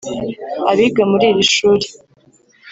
Abiga muri iri shuri